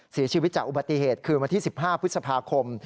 เสียชีวิตจากอุบัติเหตุคืนวันที่๑๕พฤษภาคม